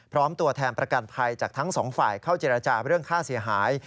ตัวแทนประกันภัยจากทั้งสองฝ่ายเข้าเจรจาเรื่องค่าเสียหาย